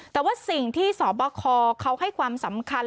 แต่ว่าสิ่งที่สบคเขาให้ความสำคัญ